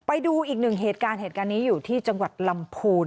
ไปดูอีกหนึ่งเหตุการณ์เหตุการณ์นี้อยู่ที่จังหวัดลำพูน